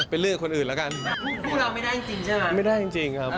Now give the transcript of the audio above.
นี่เหรอเขาก็ลื่นล้นไปหน่อยนะ